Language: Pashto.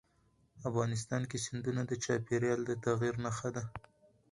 افغانستان کې سیندونه د چاپېریال د تغیر نښه ده.